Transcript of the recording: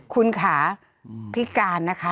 คุ้นขาพิการนะคะ